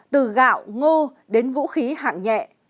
từ gạo ngô đến vũ khí hạng nhẹ